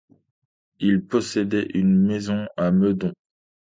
Il possédait une maison à Meudon.